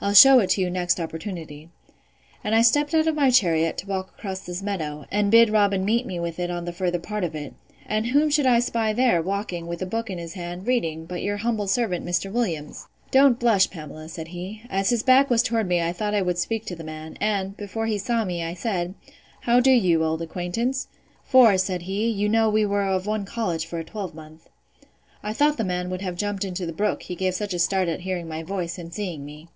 —I'll shew it you next opportunity.—And I stept out of my chariot, to walk across this meadow, and bid Robin meet me with it on the further part of it: And whom should I 'spy there, walking, with a book in his hand, reading, but your humble servant Mr. Williams! Don't blush, Pamela, said he. As his back was towards me, I thought I would speak to the man: and, before he saw me, I said, How do you, old acquaintance? (for, said he, you know we were of one college for a twelvemonth.) I thought the man would have jumped into the brook, he gave such a start at hearing my voice, and seeing me.